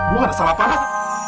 gue gak ada salah panas